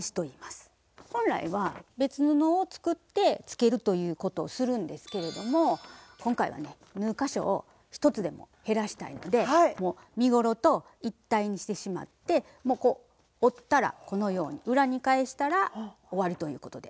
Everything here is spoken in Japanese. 本来は別布を作ってつけるということをするんですけれども今回はね縫う箇所を一つでも減らしたいのでもう身ごろと一体にしてしまってもう折ったらこのように裏に返したら終わりということで。